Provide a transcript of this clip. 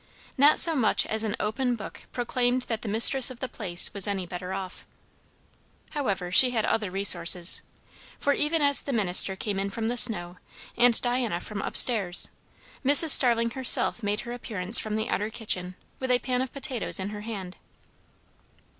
Not so much as an open book proclaimed that the mistress of the place was any better off. However, she had other resources; for even as the minister came in from the snow, and Diana from up stairs, Mrs. Starling herself made her appearance from the outer kitchen with a pan of potatoes in her hand.